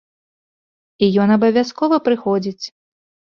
І ён абавязкова прыходзіць.